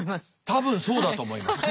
多分そうだと思います。